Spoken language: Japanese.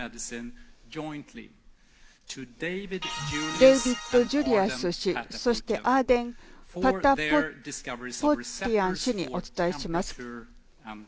デイビッド・ジュリアス氏そしてアーデン・タタフッティアン氏にお伝えします。